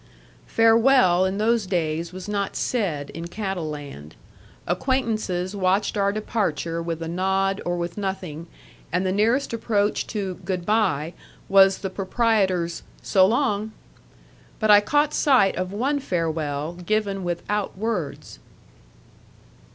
Farewell in those days was not said in Cattle Land. Acquaintances watched our departure with a nod or with nothing, and the nearest approach to "Good by" was the proprietor's "So long." But I caught sight of one farewell given without words.